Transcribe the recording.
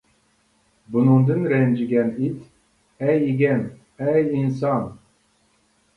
بۇنىڭدىن رەنجىگەن ئىت:-ئەي ئىگەم، ئەي ئىنسان!